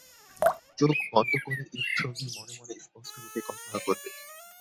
চোখ বন্ধ করে এর ছবি মনে মনে স্পষ্টরূপে কল্পনা করবে।